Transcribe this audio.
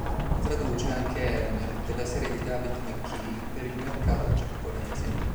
Traduce anche "Elmer" della serie di David McKee per il mercato giapponese.